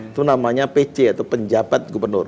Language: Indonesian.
itu namanya pc atau penjabat gubernur